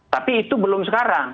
tapi itu belum sekarang